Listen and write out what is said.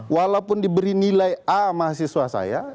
walaupun diberi nilai a mahasiswa saya